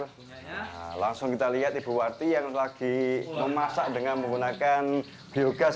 nah langsung kita lihat ibu warti yang lagi memasak dengan menggunakan biogas